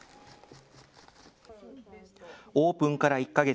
オープンから１か月。